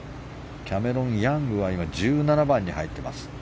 キャメロン・ヤングは１７番に入っています。